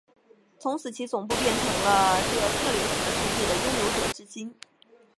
从此其总部变成了这策略性的圣地的拥有者至今。